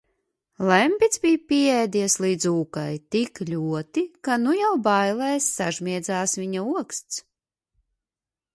Lembits bija pieēdies līdz ūkai tik ļoti, ka nu jau bailēs sažmiedzās viņa oksts.